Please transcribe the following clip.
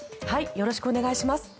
よろしくお願いします。